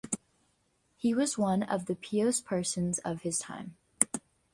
He was one of the pious persons of his time.